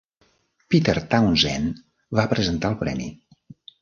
Peter Townshend va presentar el premi.